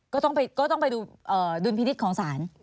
ก็ต้องไปดูดุลปีนิตของสาร